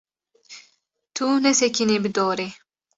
Tu nesekinî bi dorê.